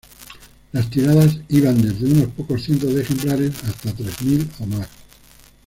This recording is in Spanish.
Las tiradas iban desde unos pocos cientos de ejemplares hasta tres mil o más.